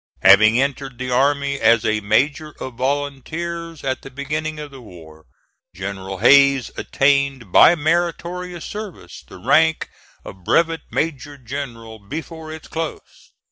Having entered the army as a Major of Volunteers at the beginning of the war, General Hayes attained by meritorious service the rank of Brevet Major General before its close.